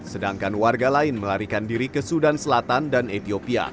sedangkan warga lain melarikan diri ke sudan selatan dan ethiopia